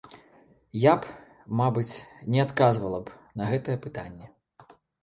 Я б, мабыць, не адказвала б на гэтае пытанне.